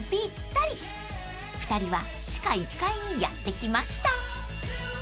［２人は地下１階にやって来ました］